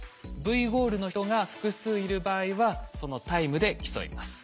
Ｖゴールの人が複数いる場合はそのタイムで競います。